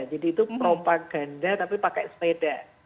jadi itu propaganda tapi pakai sepeda